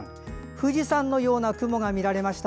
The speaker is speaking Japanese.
富士山のような雲が見られました。